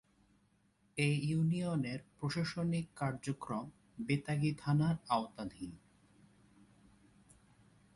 এ ইউনিয়নের প্রশাসনিক কার্যক্রম বেতাগী থানার আওতাধীন।